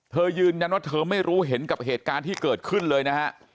เธอยืนยันว่าเธอไม่รู้เห็นกับเหตุการณ์ที่เกิดขึ้นเลยนะฮะ